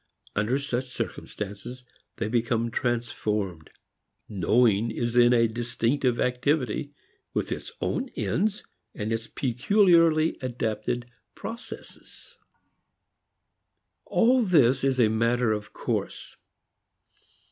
Under such circumstances, they become transformed. Knowing is then a distinctive activity, with its own ends and its peculiarly adapted processes. All this is a matter of course.